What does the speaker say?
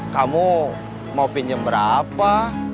kamu mau pinjam berapa